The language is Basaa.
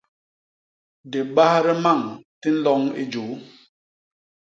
Dibas di mañ di nloñ i juu.